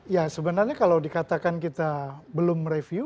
ya sebenarnya kalau dikatakan kita belum review